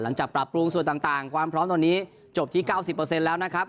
ปรับปรุงส่วนต่างความพร้อมตอนนี้จบที่๙๐แล้วนะครับ